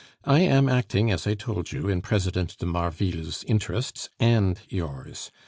I am acting, as I told you, in President de Marville's interests and yours....